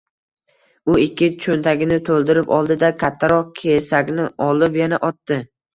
U ikki cho‘ntagini to‘ldirib oldi-da, kattaroq kesakni olib, yana otdi.